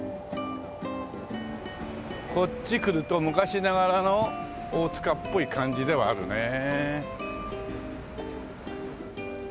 こっち来ると昔ながらの大塚っぽい感じではあるねえ。